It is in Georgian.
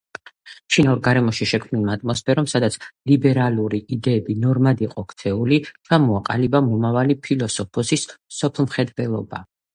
შინაურ გარემოში შექმნილმა ატმოსფერომ, სადაც ლიბერალური იდეები ნორმად იყო ქცეული ჩამოაყალიბა მომავალი ფილოსოფოსის მსოფლმხედველობა.